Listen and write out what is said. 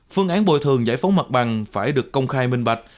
phương án bồi thường giải phóng mặt bằng phải được công khai minh bạch